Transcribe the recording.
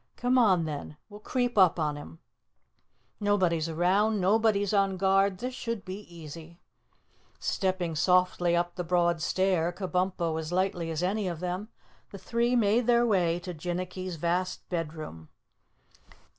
"Come on, then, we'll creep up on him. Nobody's around, nobody's on guard, this should be easy." Stepping softly up the broad stair, Kabumpo as lightly as any of them, the three made their way to Jinnicky's vast bed room.